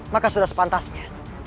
maka sudah sepantasnya